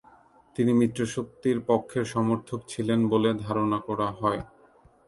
তিনি মিত্রশক্তির পক্ষের সমর্থক ছিলেন বলে ধারণা করা হয়।